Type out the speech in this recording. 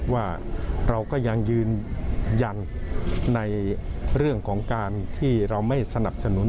ว่าเราก็ยังยืนยันในเรื่องของการที่เราไม่สนับสนุน